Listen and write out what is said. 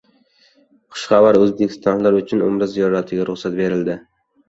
Xushxabar: o‘zbekistonliklar uchun umra ziyoratiga ruxsat beriladi